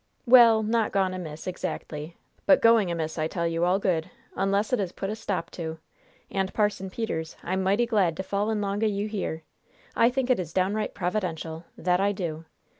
"Well, not gone amiss, exactly; but going amiss, I tell you all good, unless it is put a stop to! And, Parson Peters, I'm mighty glad to fall in long o' you here! I think it is downright providential that I do!